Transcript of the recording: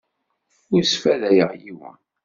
Ur sfadayeɣ yiwen.